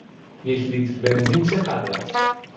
یک لیتر بنزین چقدر است؟